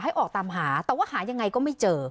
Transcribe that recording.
ออกตามหาแต่ว่าหายังไงก็ไม่เจอ